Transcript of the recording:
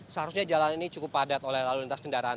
seharusnya jalan ini cukup padat oleh lalu lintas kendaraan